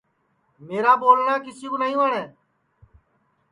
میرا ٻولٹؔا کِسی کُو نائی وٹؔے